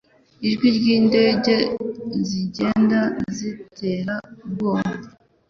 Ijwi ryindege zigenda zintera ubwoba.